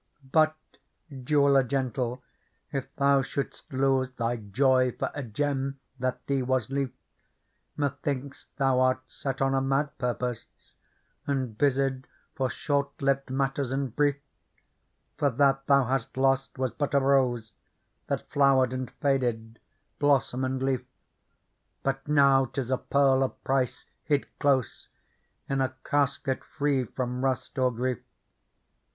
'' But, jeweller gentle, if thou shouldst lose Thy joy for a gem that thee was lief, Methinks thou art set on a mad purpose. And busied for short lived matters and brief. For that thou hast lost was but a rose That flowered and faded, blossom and leaf. But now 'tis a pearl of price, hid close In a casket free from rust or grief.